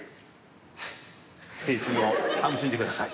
はい青春を楽しんでください。